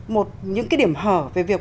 một những cái điểm hở về việc